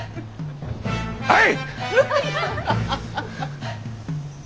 はい！